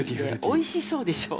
おいしそうでしょ？